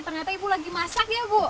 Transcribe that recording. ternyata ibu lagi masak ya bu